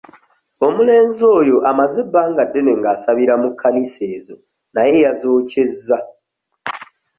Omulenzi oyo amaze ebbanga ddene ng'asabira mu kkanisa ezo naye yazookyezza.